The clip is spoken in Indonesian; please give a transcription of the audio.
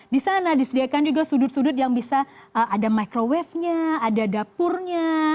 di sana disediakan juga sudut sudut yang bisa ada microwave nya ada dapurnya